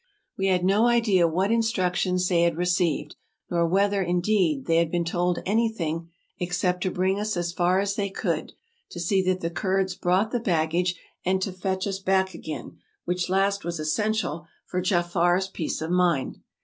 We had no idea what instructions they had received, nor vvhether, indeed, they had been told anything except to bring us as far as they could, to see that the Kurds brought the bag gage, and to fetch us back again, which last was essential for Jaafar's peace of mind.